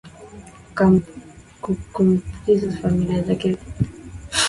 kupumzika na familia yake akitimia miaka sabini na tisa mwezi wa kumi miaka kadhaa